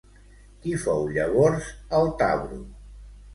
Qui fou llavors el Tabru?